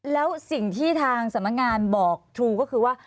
แล้วสิ่งที่ทางสำนักงานบอกทรูก็คือว่า